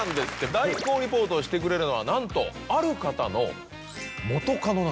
代行リポートをしてくれるのはなんとある方の元カノなんです。